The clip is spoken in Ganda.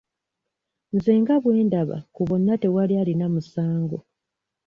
Nze nga bwe ndaba ku bonna tewali alina musango.